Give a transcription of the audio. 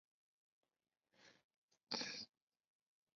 伊斯兰文化和哲学也大幅影响在伊斯兰世界的犹太人。